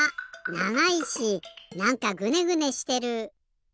ながいしなんかグネグネしてる。